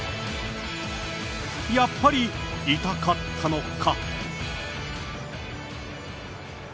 やっぱり痛かったのか。